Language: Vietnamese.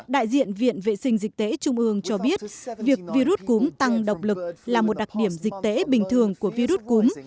đại diện viện vệ sinh dịch tễ trung ương cho biết việc virus cúm tăng độc lực là một đặc điểm dịch tễ bình thường của virus cúm